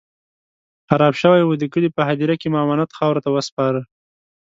خراب شوی و، د کلي په هديره کې مو امانت خاورو ته وسپاره.